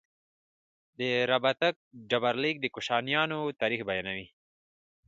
د رباتک ډبرلیک د کوشانیانو تاریخ بیانوي